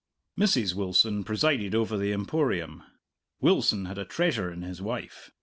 Mrs. Wilson presided over the Emporium. Wilson had a treasure in his wife.